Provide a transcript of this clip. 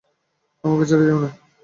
আমাকে ছেড়ে যেও না!